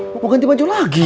mau ganti baju lagi